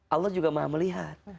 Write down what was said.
allah juga maha melihat